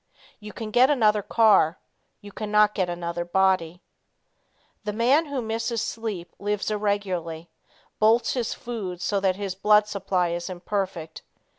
You can get another car; you cannot get another body. The man who misses sleep lives irregularly bolts his food so that his blood supply is imperfect.